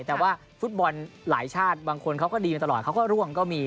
แต่ว่าฟุตบอลหลายชาติบางคนเขาก็ดีมาตลอดเขาก็ร่วงก็มี